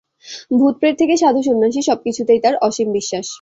ভূত-প্রেত থেকে সাধু-সন্ন্যাসী সবকিছুতেই তার অসীম বিশ্বাস।